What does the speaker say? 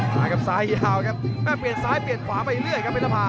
มาครับซ้ายยาวครับเปลี่ยนซ้ายเปลี่ยนขวาไปเรื่อยครับเพชรภา